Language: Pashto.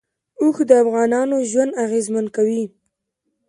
اوښ د افغانانو ژوند اغېزمن کوي.